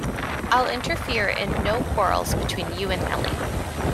I’ll interfere in no quarrels between you and Nelly.